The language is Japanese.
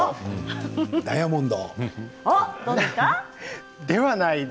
ダイヤモンド。